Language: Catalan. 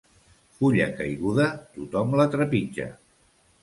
Fulla caiguda tothom la trepitja.